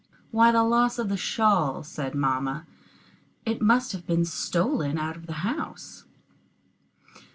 "Why, the loss of the shawl," said mamma. "It must have been stolen out of the house."